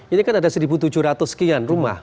ini kan ada satu tujuh ratus sekian rumah